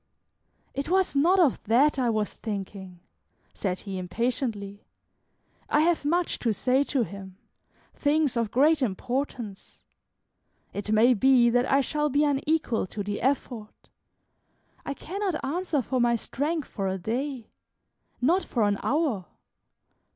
"It was not of that I was thinking," said he, impatiently; "I have much to say to him, things of great importance. It may be that I shall be unequal to the effort; I cannot answer for my strength for a day, not for an hour.